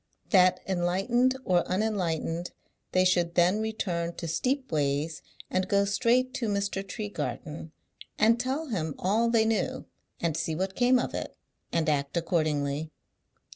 That, enlightened or unenlightened, they should then return to Steepways and go straight to Mr. Tregarthen, and tell him all they knew, and see what came of it, and act accordingly.